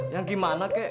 yang gimana kek